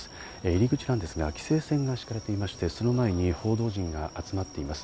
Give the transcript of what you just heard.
入り口ですが、規制線が敷かれていまして、その前に報道陣が集まっています。